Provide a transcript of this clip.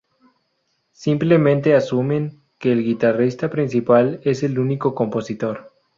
Simplemente asumen que el guitarrista principal es el Único compositor.